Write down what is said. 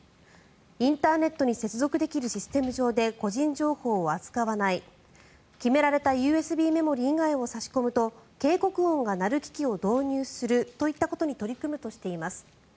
インターネットに接続できるシステム上で個人情報を扱わない決められたＵＳＢメモリー以外を差し込むと警告音が鳴る機器を導入するといったことに取り組むとしています。